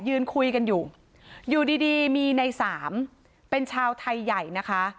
ยืนคุยกันอยู่อยู่ดีมีในสามเป็นชาวไทยใหญ่นะคะ